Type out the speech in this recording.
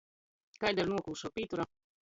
Kaida ir nuokušuo pītura?